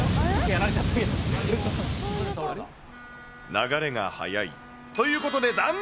流れが速い。ということで残念。